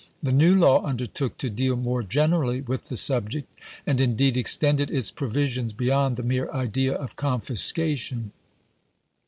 The new law undertook to isei deal more generally with the subject, and indeed extended its provisions beyond the mere idea of confiscation.